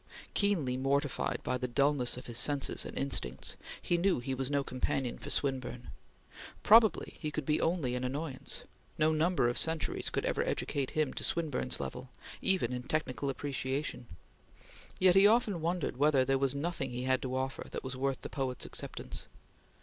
Keenly mortified by the dullness of his senses and instincts, he knew he was no companion for Swinburne; probably he could be only an annoyance; no number of centuries could ever educate him to Swinburne's level, even in technical appreciation; yet he often wondered whether there was nothing he had to offer that was worth the poet's acceptance.